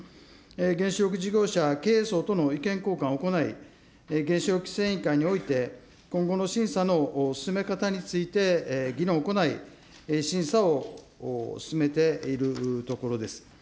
原子力事業者との意見交換を行い、原子力規制委員会において、今後の審査の進め方について議論を行い、審査を進めているところです。